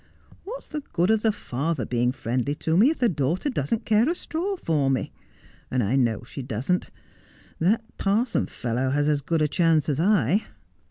' What's the good of the father being friendly to me if the daughter doesn't care a straw for me 1 And I know she doesn't. That parson fellow has as good a chance as I.'